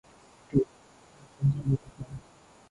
Truyện âm là không có đùa được đâu